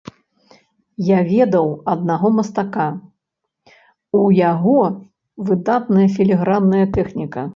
Я ведаў аднаго мастака, у яго выдатная філігранная тэхніка.